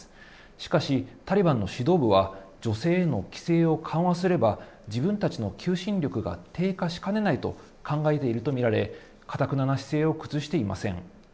しかし、タリバンの指導部は女性への規制を緩和すれば、自分たちの求心力が低下しかねないと考えていると見られ、かたくなな姿勢を崩していません。